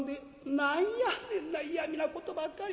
「何やねんな嫌みなことばっかり。